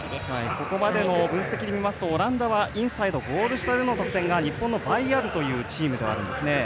ここまでの分析を見ますとオランダはインサイドゴール下での得点が日本の倍あるというチームでもあるんですね。